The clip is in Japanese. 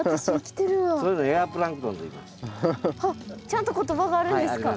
ちゃんと言葉があるんですか？